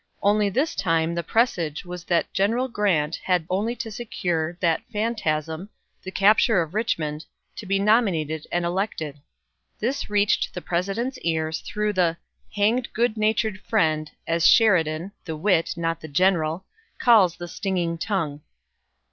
Only this time the presage was that General Grant had only to secure that phantasm, the capture of Richmond, to be nominated and elected. This reached the President's ears through the "hanged good natured friend," as Sheridan the wit, not the general calls the stinging tongue.